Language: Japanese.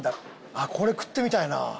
あっこれ食ってみたいな。